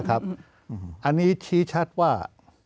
อันนี้ชี้ชัดว่า